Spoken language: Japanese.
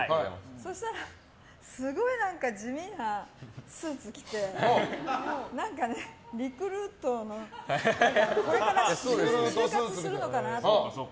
そしたらすごい地味なスーツを着てリクルートのこれから就活するのかなと思って。